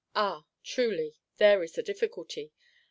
Ah, truly, there is the difficulty!